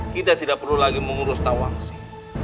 kita tidak perlu lagi mengurus tawangsi